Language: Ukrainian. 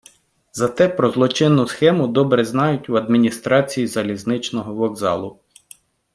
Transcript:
Зате про злочинну схему добре знають в адміністрації залізничного вокзалу.